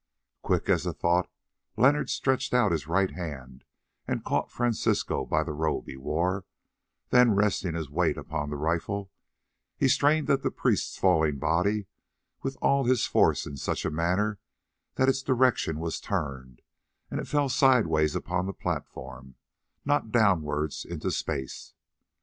Quick as thought Leonard stretched out his right hand and caught Francisco by the robe he wore, then, resting his weight upon the rifle, he strained at the priest's falling body with all his force in such a manner that its direction was turned, and it fell sideways upon the platform, not downwards into space.